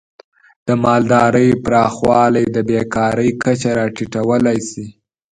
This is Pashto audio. د مالدارۍ پراخوالی د بیکاری کچه راټیټولی شي.